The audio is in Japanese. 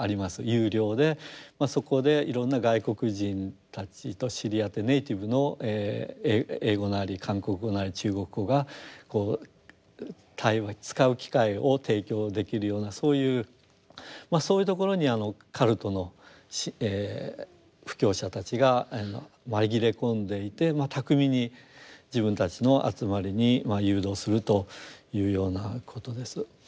有料でそこでいろんな外国人たちと知り合ってネイティブの英語なり韓国語なり中国語がこう対話使う機会を提供できるようなそういうそういうところにカルトの布教者たちが紛れ込んでいて巧みに自分たちの集まりに誘導するというようなことです。